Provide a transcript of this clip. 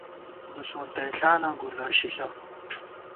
گُوسونَتَئݪانہ گُو لوشِݪہ